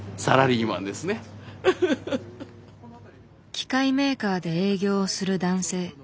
機械メーカーで営業をする男性。